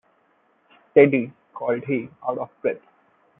“Steady!” called he, out of breath.